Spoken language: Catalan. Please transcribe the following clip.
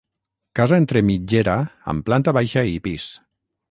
Casa entre mitgera amb planta baixa i pis.